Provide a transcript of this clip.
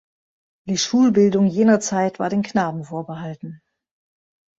Die Schulbildung jener Zeit war den Knaben vorbehalten.